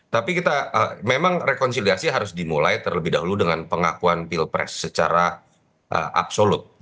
tapi kita memang rekonsiliasi harus dimulai terlebih dahulu dengan pengakuan pilpres secara absolut